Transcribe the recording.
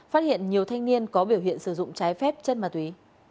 phát hiện nhiều thanh niên có biểu hiện sử dụng trái phép chất ma túy